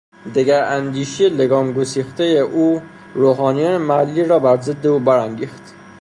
دگراندیشی لگام گسیختهی او روحانیون محلی را بر ضد او برانگیخت.